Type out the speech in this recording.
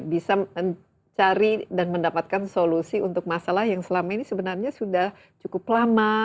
bisa mencari dan mendapatkan solusi untuk masalah yang selama ini sebenarnya sudah cukup lama